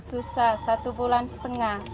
susah satu bulan setengah